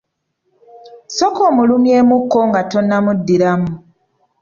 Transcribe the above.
Sooka omulumyeemukko nga tonnamuddiramu.